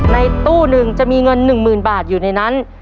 ในตู้หนึ่งจะมีเงินหนึ่งหมื่นบาทอยู่ในนั้น